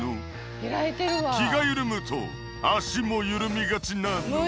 気が緩むと脚も緩みがちなの？